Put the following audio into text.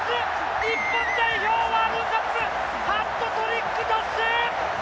日本代表ワールドカップ、ハットトリック達成！